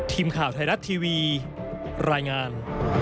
ทีมข่าวไทยรัฐทีวีรายงาน